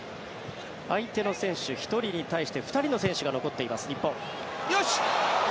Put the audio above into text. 相手の選手１人に対して２人の選手が残っています日本。